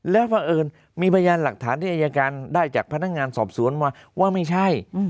แล้วเพราะเอิญมีพยานหลักฐานที่อายการได้จากพนักงานสอบสวนมาว่าไม่ใช่